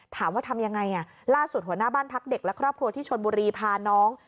ทำยังไงล่าสุดหัวหน้าบ้านพักเด็กและครอบครัวที่ชนบุรีพาน้อง